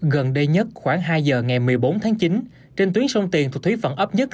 gần đây nhất khoảng hai giờ ngày một mươi bốn tháng chín trên tuyến sông tiền thuộc thúy phận ấp một